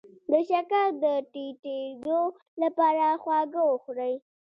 د شکر د ټیټیدو لپاره خواږه وخورئ